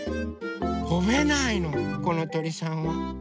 とべないのこのとりさんは。